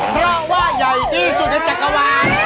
เพราะว่าใหญ่ที่สุดในจักรวาล